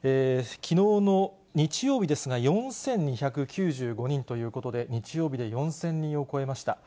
きのうの日曜日ですが、４２９５人ということで、日曜日で４０００人を超えました。